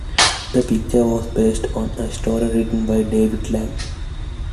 The picture was based on a story written by David Lang.